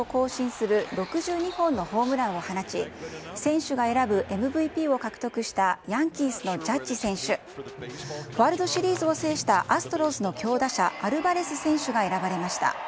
あとの２人はリーグ記録を更新する６２本のホームランを放ち、選手が選ぶＭＶＰを獲得したヤンキースのジャッジ選手、ワールドシリーズを制したアストロズの強打者、アルバレス選手が選ばれました。